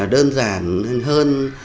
đơn giản hơn